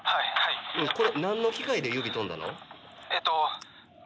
これ何の機械で指飛んだの？